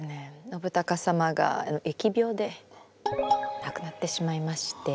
宣孝様が疫病で亡くなってしまいまして。